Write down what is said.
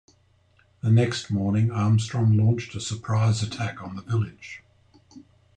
The next morning Armstrong launched a surprise attack on the village.